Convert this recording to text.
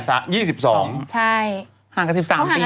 ตระกว่าที่สามปี